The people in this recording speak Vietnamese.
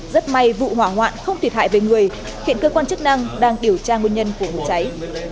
rất may vụ hỏa hoạn không thiệt hại về người hiện cơ quan chức năng đang điều tra nguồn nhân của vụ cháy